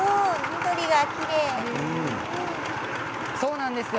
緑がきれいです。